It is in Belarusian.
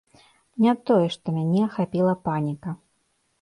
Не тое, што мяне ахапіла паніка.